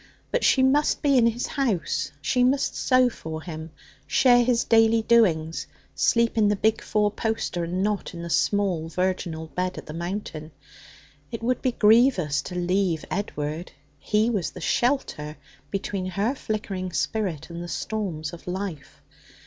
But she must be in his house; she must sew for him, share his daily doings, sleep in the big four poster, and not in the small virginal bed at the Mountain. It would be grievous to leave Edward. He was the shelter between her flickering spirit and the storms of life.